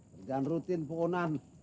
kerjaan rutin punan